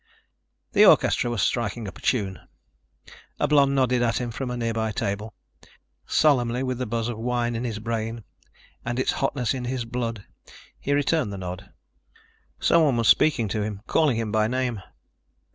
The orchestra was striking up a tune. A blonde nodded at him from a near by table. Solemnly, with the buzz of wine in his brain and its hotness in his blood, he returned the nod. Someone was speaking to him, calling him by name.